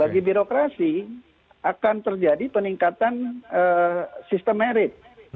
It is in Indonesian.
bagi birokrasi akan terjadi peningkatan sistem merit